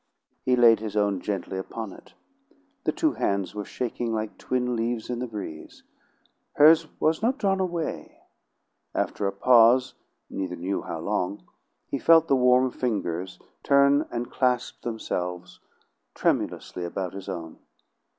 He laid his own gently upon it. The two hands were shaking like twin leaves in the breeze. Hers was not drawn away. After a pause, neither knew how long, he felt the warm fingers turn and clasp themselves tremulously about his own.